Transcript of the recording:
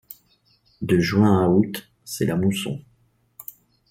De juin à août, c’est la mousson.